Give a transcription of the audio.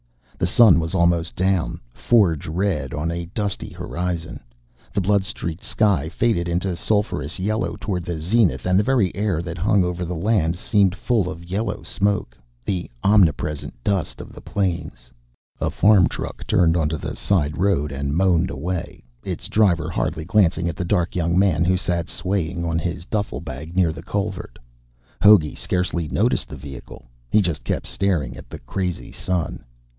The sun was almost down, forge red on a dusty horizon. The blood streaked sky faded into sulphurous yellow toward the zenith, and the very air that hung over the land seemed full of yellow smoke, the omnipresent dust of the plains. A farm truck turned onto the side road and moaned away, its driver hardly glancing at the dark young man who sat swaying on his duffle bag near the culvert. Hogey scarcely noticed the vehicle. He just kept staring at the crazy sun.